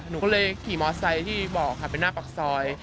หนูก็เลยขี่มอไซค์ที่บอกค่ะเป็นหน้าปากซอย